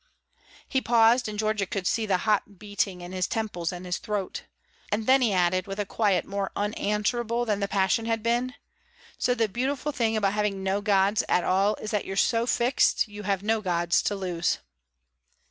He paused, and Georgia could see the hot beating in his temples and his throat. And then he added, with a quiet more unanswerable than the passion had been: "So the beautiful thing about having no gods at all is that you're so fixed you have no gods to lose."